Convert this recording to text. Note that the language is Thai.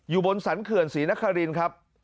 อยู่บนสรรเขื่อนศรีนครับ